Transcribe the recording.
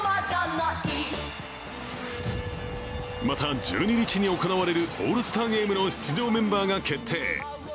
また、１２日に行われるオールスターゲームの出場メンバーが決定。